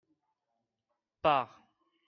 Pars !